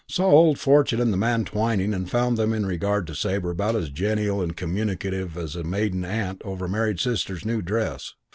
Saw old Fortune and the man Twyning and found them in regard to Sabre about as genial and communicative as a maiden aunt over a married sister's new dress.